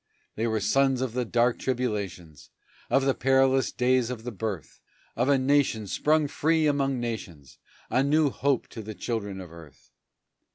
They were sons of the dark tribulations, Of the perilous days of the birth Of a nation sprung free among nations, A new hope to the children of earth!